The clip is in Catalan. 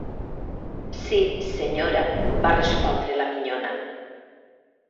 "Sí, senyora", va respondre la minyona.